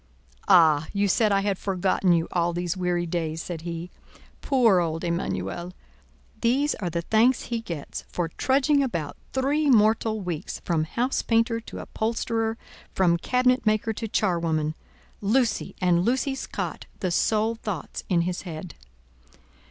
"Ah! you said I had forgotten you all these weary days," said he. "Poor old Emanuel! These are the thanks he gets for trudging about three mortal weeks from house painter to upholsterer, from cabinet maker to charwoman. Lucy and Lucy's cot, the sole thoughts in his head!"